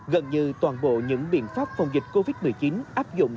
gần như toàn bộ những biện pháp phòng dịch covid một mươi chín áp dụng